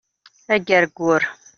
Agergur